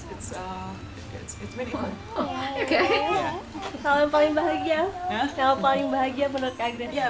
itu sangat menyenangkan